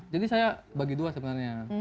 jadi saya bagi dua sebenarnya